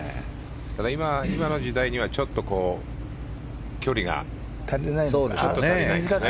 今の時代にはちょっと距離が足りないですね。